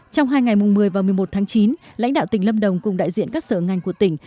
trong hai ngày mùng một mươi và một mươi một tháng chín lãnh đạo tỉnh lâm đồng cùng đại diện các sở ngành của tỉnh